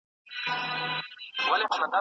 په بار بار مي در ږغ کړي ته مي نه سې اورېدلای